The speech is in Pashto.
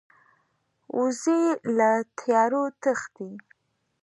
وزې له تیارو تښتي